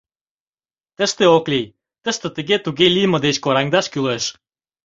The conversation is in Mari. — Тыште ок лий... тыште тыге-туге лийме деч кораҥдаш кӱлеш...